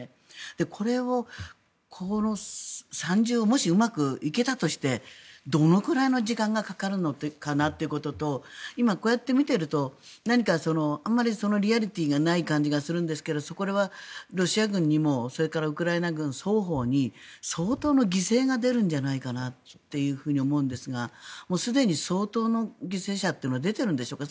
これを、もし行けたとしてどのくらいの時間がかかるのかなってこととこうやって見るとあまりリアリティーがない感じがするんですがこれはロシア軍にもウクライナ軍にも双方に相当犠牲が出ると思うんですがすでに相当の犠牲者というのは出てるんでしょうか。